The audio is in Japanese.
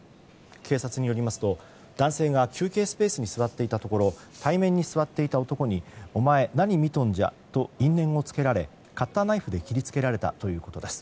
警察によりますと男性が休憩スペースに座っていたところ対面に座っていた男にお前何見とんじゃと因縁をつけられカッターナイフで切り付けられたということです。